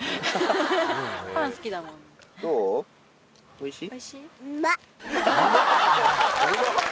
おいしい？